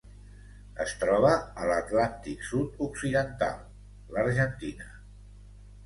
Es troba a l'Atlàntic sud-occidental: l'Argentina.